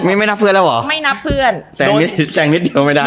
ไม่ไม่นับเพื่อนแล้วเหรอไม่นับเพื่อนแซงนิดแซงนิดเดียวไม่ได้